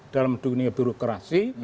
dalam dunia birokrasi